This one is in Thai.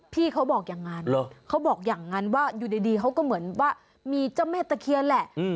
พี่เขาบอกอย่างนั้นเขาบอกอย่างนั้นว่าอยู่ดีเขาก็เหมือนว่ามีเจ้าแม่ตะเคียนแหละ